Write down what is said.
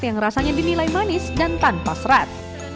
yang rasanya dinilai manis dan tanpa serat